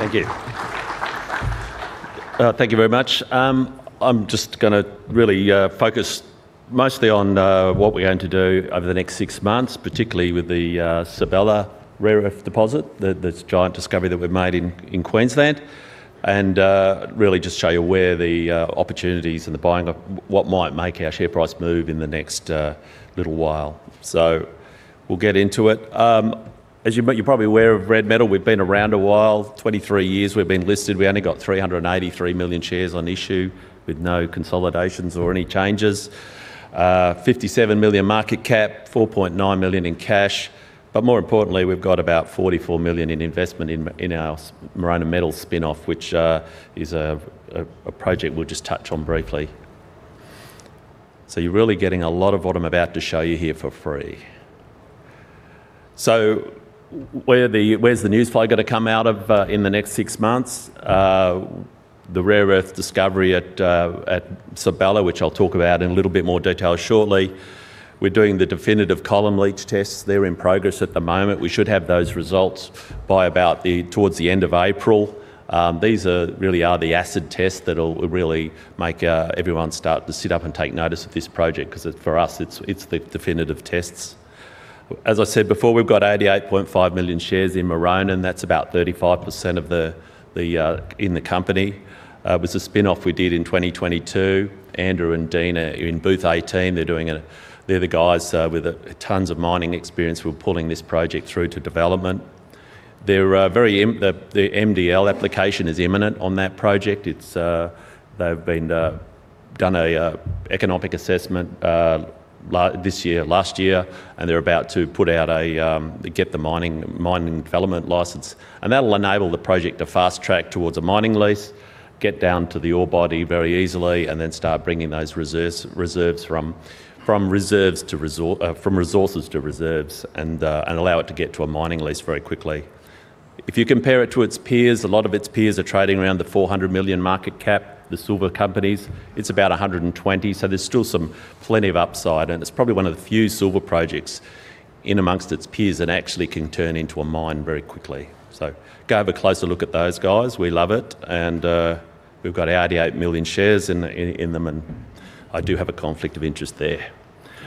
Thank you. Thank you very much. I'm just gonna really focus mostly on what we're going to do over the next six months, particularly with the Sybella rare earth deposit, this giant discovery that we've made in Queensland. Really just show you where the opportunities and the buying of... what might make our share price move in the next little while. So we'll get into it. As you... You're probably aware of Red Metal. We've been around a while, 23 years we've been listed. We only got 383 million shares on issue, with no consolidations or any changes. 57 million market cap, 4.9 million in cash, but more importantly, we've got about 44 million in investment in our Maronan Metals spinoff, which is a project we'll just touch on briefly. So you're really getting a lot of what I'm about to show you here for free. So where's the news flow gonna come out of in the next six months? The rare earth discovery at Sybella, which I'll talk about in a little bit more detail shortly. We're doing the definitive column leach tests. They're in progress at the moment. We should have those results by about towards the end of April. These are, really are the acid tests that'll really make everyone start to sit up and take notice of this project, 'cause it- for us, it's, it's the definitive tests. As I said before, we've got 88.5 million shares in Maronan, and that's about 35% of the in the company. It was a spinoff we did in 2022. Andrew and Dean are in Booth 18. They're doing a... They're the guys with tons of mining experience, who are pulling this project through to development. They're very im- The MDL application is imminent on that project. It's... They've done an economic assessment last year, this year, and they're about to get the Mining Development License, and that'll enable the project to fast-track towards a mining lease, get down to the ore body very easily, and then start bringing those reserves from resources to reserves, and allow it to get to a mining lease very quickly. If you compare it to its peers, a lot of its peers are trading around the 400 million market cap, the silver companies. It's about 120 million, so there's still some plenty of upside, and it's probably one of the few silver projects in amongst its peers that actually can turn into a mine very quickly. So go have a closer look at those guys. We love it, and, we've got 88 million shares in, in, in them, and I do have a conflict of interest there.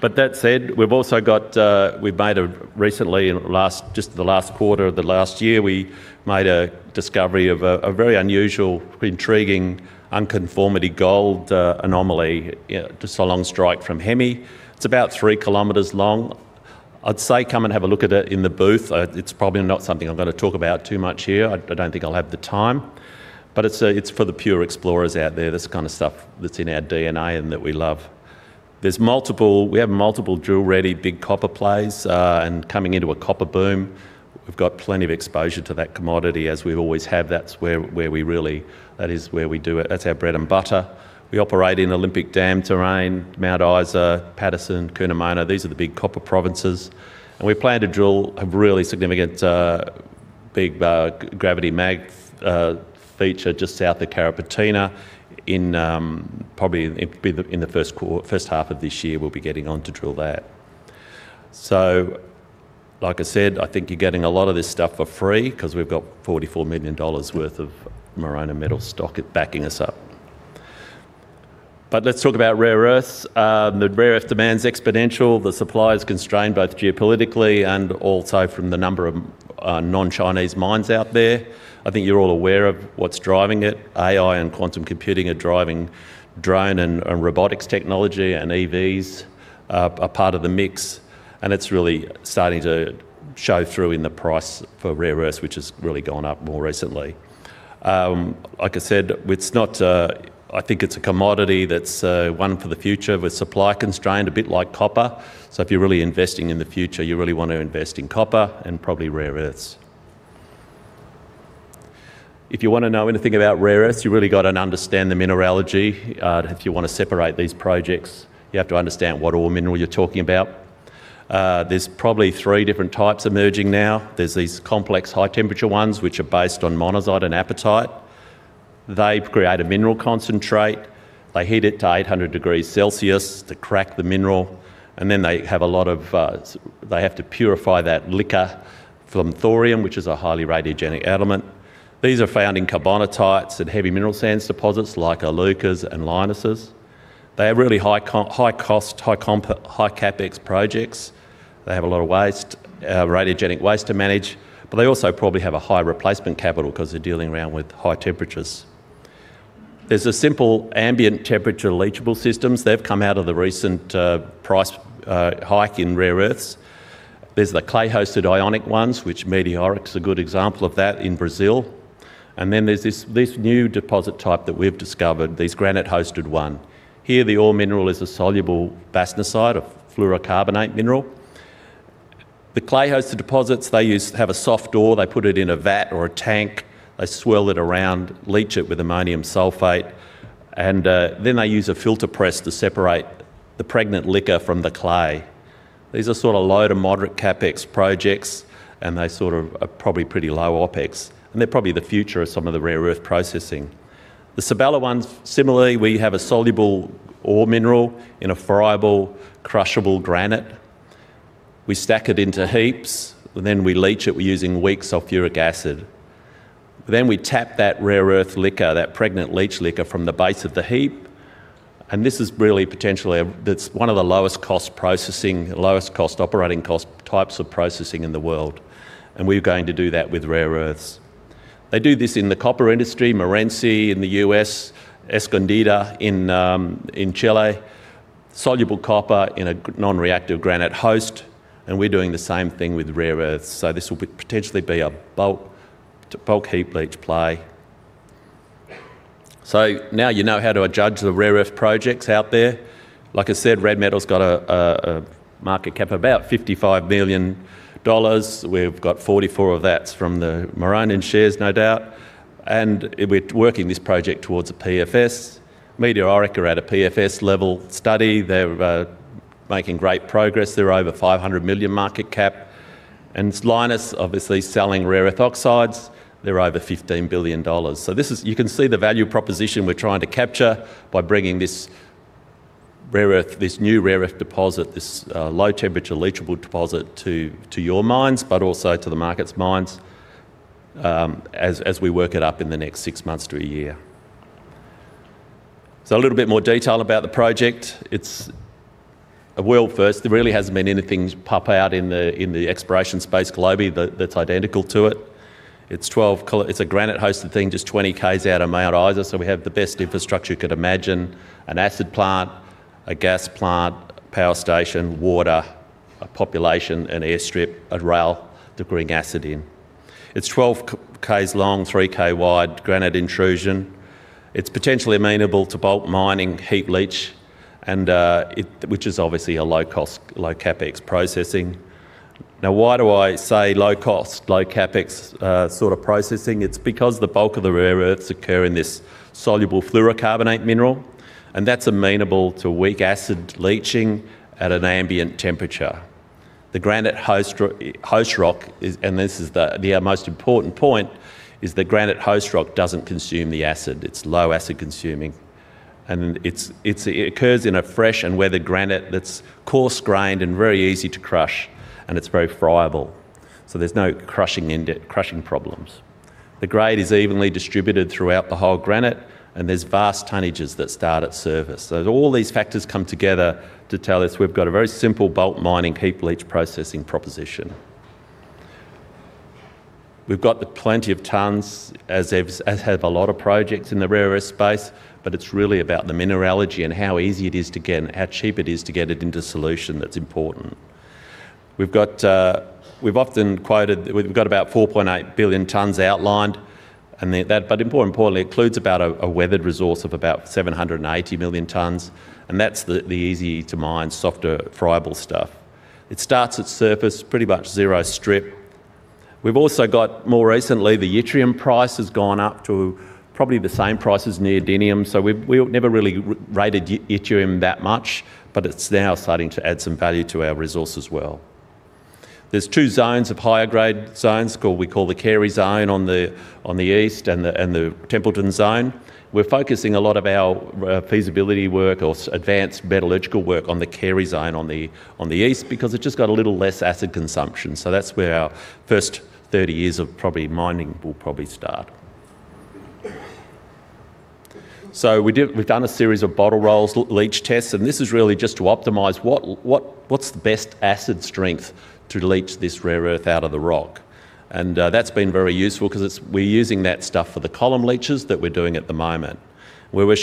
But that said, we've also got, we've made a recently, in last, just the last quarter of the last year, we made a discovery of a, a very unusual, intriguing, unconformity gold, anomaly, just along strike from Hemi. It's about three kilometers long. I'd say come and have a look at it in the booth. It's probably not something I'm gonna talk about too much here. I, I don't think I'll have the time, but it's, it's for the pure explorers out there. That's the kind of stuff that's in our DNA and that we love. We have multiple drill-ready, big copper plays, and coming into a copper boom, we've got plenty of exposure to that commodity, as we've always have. That's where, where we really... That is where we do it. That's our bread and butter. We operate in Olympic Dam Terrane, Mount Isa, Paterson, Coober Pedy. These are the big copper provinces, and we plan to drill a really significant, big, gravity mag feature just south of Carrapateena in, probably in the first half of this year, we'll be getting on to drill that. So, like I said, I think you're getting a lot of this stuff for free, 'cause we've got 44 million dollars worth of Maronan Metals stock backing us up. But let's talk about rare earths. The rare earth demand's exponential. The supply is constrained both geopolitically and also from the number of non-Chinese mines out there. I think you're all aware of what's driving it. AI and quantum computing are driving drone and, and robotics technology, and EVs are, are part of the mix, and it's really starting to show through in the price for rare earths, which has really gone up more recently. Like I said, it's not. I think it's a commodity that's one for the future, with supply constrained, a bit like copper. So if you're really investing in the future, you really want to invest in copper and probably rare earths. If you want to know anything about rare earths, you've really got to understand the mineralogy. If you want to separate these projects, you have to understand what ore mineral you're talking about. There's probably three different types emerging now. There's these complex high-temperature ones, which are based on monazite and apatite. They create a mineral concentrate. They heat it to 800 degrees celsius to crack the mineral, and then they have a lot of, they have to purify that liquor from thorium, which is a highly radiogenic element. These are found in carbonatites and heavy mineral sands deposits like Iluka and Lynas. They are really high-cost, high CapEx projects. They have a lot of waste, radiogenic waste to manage, but they also probably have a high replacement capital, 'cause they're dealing around with high temperatures. There's a simple ambient temperature leachable systems. They've come out of the recent, price hike in rare earths. There's the clay-hosted ionic ones, which Meteoric's a good example of that in Brazil. And then there's this, this new deposit type that we've discovered, these granite-hosted one. Here, the ore mineral is a soluble bastnäsite, a fluorocarbonate mineral. The clay-hosted deposits, they have a soft ore. They put it in a vat or a tank, they swirl it around, leach it with ammonium sulfate, and, then they use a filter press to separate the pregnant liquor from the clay. These are sort of low to moderate CapEx projects, and they sort of are probably pretty low OpEx, and they're probably the future of some of the rare earth processing. The Sybella ones, similarly, we have a soluble ore mineral in a friable, crushable granite.... We stack it into heaps, then we leach it using weak sulfuric acid. Then we tap that rare earth liquor, that pregnant leach liquor from the base of the heap, and this is really potentially a, that's one of the lowest cost processing, lowest cost, operating cost, types of processing in the world, and we're going to do that with rare earths. They do this in the copper industry, Morenci in the US, Escondida in, in Chile, soluble copper in a non-reactive granite host, and we're doing the same thing with rare earths. So this will be potentially a bulk, bulk heap leach play. So now you know how to adjudge the rare earth projects out there. Like I said, Red Metal's got a market cap of about 55 billion dollars. We've got 44 of that's from the Maronan shares, no doubt, and we're working this project towards a PFS. Meteoric are at a PFS-level study. They're making great progress. They're over $500 million market cap, and Lynas obviously selling rare earth oxides, they're over $15 billion. So you can see the value proposition we're trying to capture by bringing this rare earth- this new rare earth deposit, this low-temperature leachable deposit to your minds, but also to the market's minds, as we work it up in the next six months to a year. So a little bit more detail about the project. It's a world first. There really hasn't been anything pop out in the exploration space globally that's identical to it. It's 12, it's a granite-hosted thing, just 20 km out of Mount Isa, so we have the best infrastructure you could imagine: an acid plant, a gas plant, a power station, water, a population, an airstrip, a rail to bring acid in. It's 12 km long, 3 km wide, granite intrusion. It's potentially amenable to bulk mining, heap leach, and, it, which is obviously a low-cost, low CapEx processing. Now, why do I say low cost, low CapEx, sort of processing? It's because the bulk of the rare earths occur in this soluble fluorocarbonate mineral, and that's amenable to weak acid leaching at an ambient temperature. The granite host rock is, and this is the most important point, the granite host rock doesn't consume the acid. It's low acid-consuming, and it occurs in a fresh and weathered granite that's coarse-grained and very easy to crush, and it's very friable. So there's no crushing in it, crushing problems. The grade is evenly distributed throughout the whole granite, and there's vast tonnages that start at surface. So all these factors come together to tell us we've got a very simple bulk mining heap leach processing proposition. We've got the plenty of tons, as have a lot of projects in the rare earth space, but it's really about the mineralogy and how easy it is to get and how cheap it is to get it into solution that's important. We've often quoted... We've got about 4.8 billion tons outlined, and that, but more importantly, it includes about a weathered resource of about 780 million tons, and that's the easy-to-mine, softer, friable stuff. It starts at surface, pretty much zero strip. We've also got, more recently, the yttrium price has gone up to probably the same price as neodymium, so we've never really rated yttrium that much, but it's now starting to add some value to our resource as well. There's two zones of higher grade zones called, we call the Carey Zone on the east and the Templeton Zone. We're focusing a lot of our feasibility work or advanced metallurgical work on the Carey Zone on the east because it's just got a little less acid consumption, so that's where our first 30 years of probably mining will probably start. So we've done a series of bottle rolls, leach tests, and this is really just to optimize what's the best acid strength to leach this rare earth out of the rock? And that's been very useful 'cause it's, we're using that stuff for the column leaches that we're doing at the moment. We were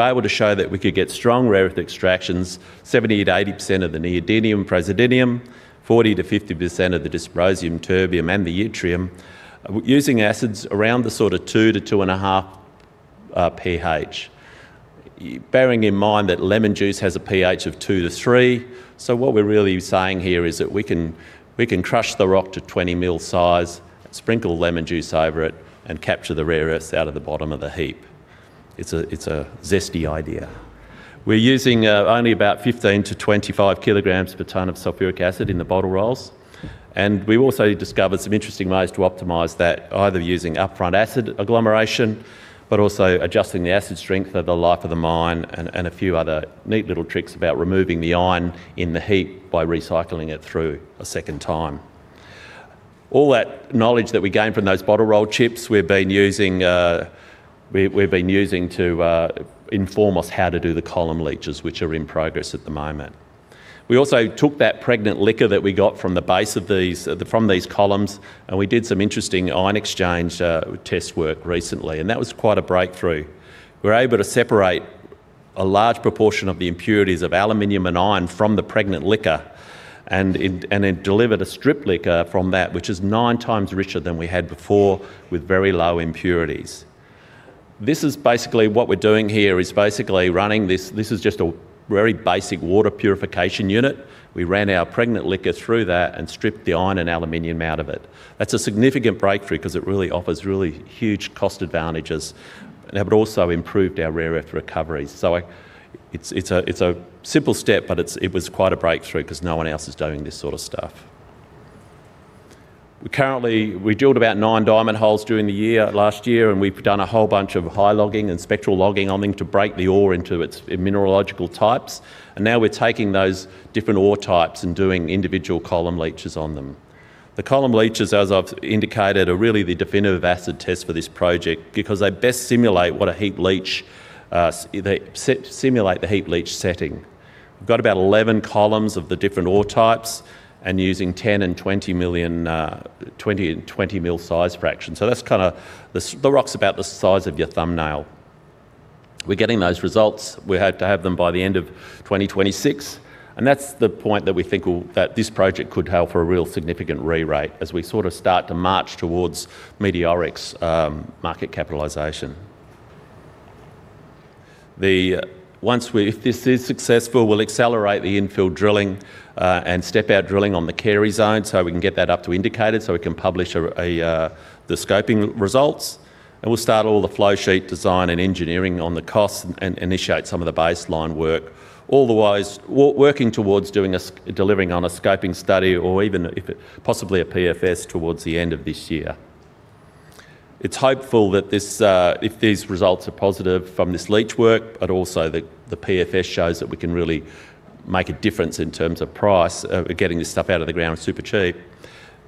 able to show that we could get strong rare earth extractions, 70%-80% of the neodymium, praseodymium, 40%-50% of the dysprosium, terbium, and the yttrium, using acids around the sort of 2-2.5 pH. Bearing in mind that lemon juice has a pH of 2-3, so what we're really saying here is that we can crush the rock to 20 mm size, sprinkle lemon juice over it, and capture the rare earths out of the bottom of the heap. It's a zesty idea. We're using only about 15-25 kg per ton of sulfuric acid in the bottle rolls, and we also discovered some interesting ways to optimize that, either using upfront acid agglomeration, but also adjusting the acid strength of the life of the mine and a few other neat little tricks about removing the iron in the heap by recycling it through a second time. All that knowledge that we gained from those bottle roll chips, we've been using to inform us how to do the column leaches, which are in progress at the moment. We also took that pregnant liquor that we got from the base of these from these columns, and we did some interesting ion exchange test work recently, and that was quite a breakthrough. We were able to separate a large proportion of the impurities of aluminum and iron from the pregnant liquor, and it delivered a strip liquor from that, which is nine times richer than we had before, with very low impurities. What we're doing here is basically running this. This is just a very basic water purification unit. We ran our pregnant liquor through that and stripped the iron and aluminum out of it. That's a significant breakthrough 'cause it really offers really huge cost advantages, but also improved our rare earth recovery. So it's a simple step, but it was quite a breakthrough 'cause no one else is doing this sort of stuff. Currently, we drilled about nine diamond holes during the year, last year, and we've done a whole bunch of high logging and spectral logging on them to break the ore into its mineralogical types. And now we're taking those different ore types and doing individual column leaches on them. The column leaches, as I've indicated, are really the definitive acid test for this project because they best simulate what a heap leach, they simulate the heap leach setting. We've got about 11 columns of the different ore types and using 10 and 20 million, 20 and 20 mil size fractions. So that's kinda the, the rock's about the size of your thumbnail. We're getting those results. We hope to have them by the end of 2026, and that's the point that we think will, that this project could have for a real significant re-rate as we sort of start to march towards Meteoric's market capitalization. Once we—if this is successful, we'll accelerate the infill drilling and step-out drilling on the Carey Zone, so we can get that up to indicated, so we can publish the scoping results. And we'll start all the flow sheet design and engineering on the costs and initiate some of the baseline work. All the while, working towards delivering on a scoping study or even if it possibly a PFS towards the end of this year. It's hopeful that this, if these results are positive from this leach work, but also the, the PFS shows that we can really make a difference in terms of price, of getting this stuff out of the ground super cheap.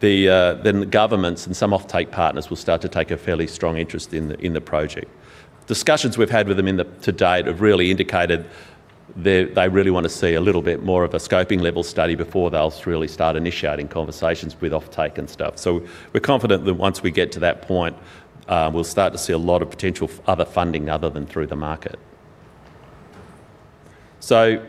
Then the governments and some offtake partners will start to take a fairly strong interest in the, in the project. Discussions we've had with them in the, to date have really indicated they, they really want to see a little bit more of a scoping level study before they'll really start initiating conversations with offtake and stuff. So we're confident that once we get to that point, we'll start to see a lot of potential other funding other than through the market. So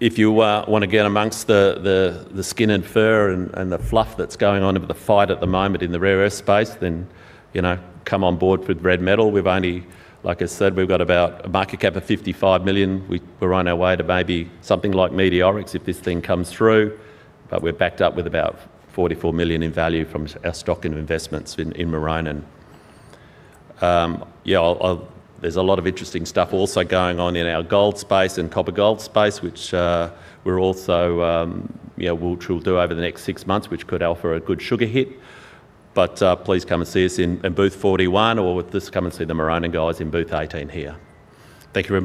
if you want to get amongst the, the, the skin and fur and, and the fluff that's going on with the hype at the moment in the rare earth space, then, you know, come on board with Red Metal. We've only, like I said, we've got about a market cap of 55 million. We're on our way to maybe something like Meteoric if this thing comes through, but we're backed up with about 44 million in value from our stock and investments in Maronan. Yeah, there's a lot of interesting stuff also going on in our gold space and copper-gold space, which, we're also, yeah, we'll do over the next six months, which could offer a good sugar hit. Please come and see us in Booth 41, or just come and see the Maronan guys in Booth 18 here. Thank you very much.